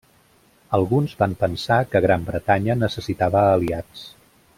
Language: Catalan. Alguns van pensar que Gran Bretanya necessitava aliats.